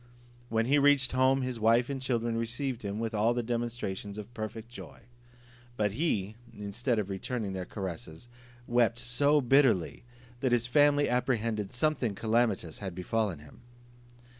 When he reached home, his wife and children received him with all the demonstrations of perfect joy. But he, instead of returning their caresses, wept so bitterly, that his family apprehended something calamitous had befallen him.